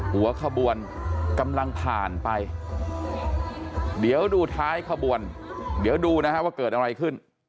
หัวขบวนกำลังผ่านไปเดี๋ยวดูท้ายขบวนเดี๋ยวดูนะฮะว่าเกิดอะไรขึ้น